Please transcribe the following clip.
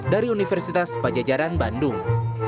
dari universitas pajajaran bandung